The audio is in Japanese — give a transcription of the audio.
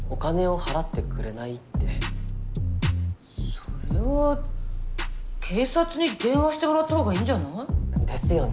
それは警察に電話してもらったほうがいいんじゃない？ですよね。